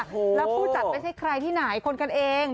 แล้วผู้จัดไม่ใช่ใครที่ไหนคนกันเอง